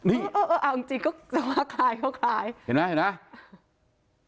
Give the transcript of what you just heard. เออเออเออเอาจริงจริงก็คลายก็คลายเห็นไหมเห็นไหม